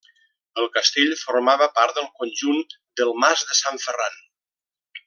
El castell formava part del conjunt del Mas de Sant Ferran.